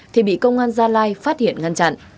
thì bị công an gia lai phát hiện ngăn chặn